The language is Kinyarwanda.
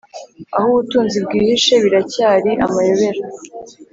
aho ubutunzi bwihishe biracyari amayobera.